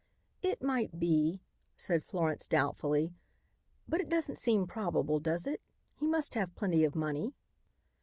"It might be," said Florence doubtfully, "but it doesn't seem probable, does it? He must have plenty of money."